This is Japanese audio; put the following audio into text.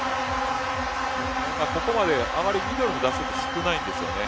ここまであまりミドルに出す回数少ないんですよね。